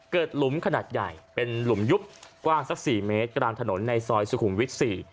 หลุมขนาดใหญ่เป็นหลุมยุบกว้างสัก๔เมตรกลางถนนในซอยสุขุมวิทย์๔